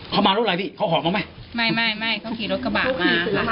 เขามารถอะไรพี่เขาออกมาไหมไม่ไม่ไม่เขาขี่รถกระบะมา